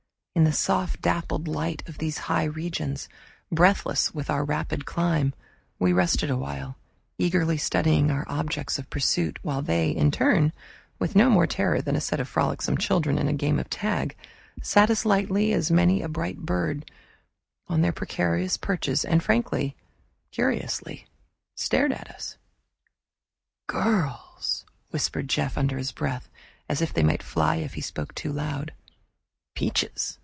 In the soft dappled light of these high regions, breathless with our rapid climb, we rested awhile, eagerly studying our objects of pursuit; while they in turn, with no more terror than a set of frolicsome children in a game of tag, sat as lightly as so many big bright birds on their precarious perches and frankly, curiously, stared at us. "Girls!" whispered Jeff, under his breath, as if they might fly if he spoke aloud. "Peaches!"